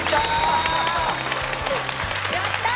やったー！